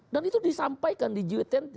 dan itu disampaikan di g dua puluh